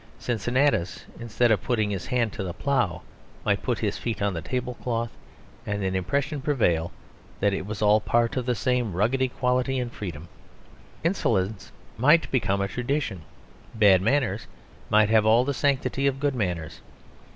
Cincinnatus, instead of putting his hand to the plough, might put his feet on the tablecloth, and an impression prevail that it was all a part of the same rugged equality and freedom. Insolence might become a tradition. Bad manners might have all the sanctity of good manners.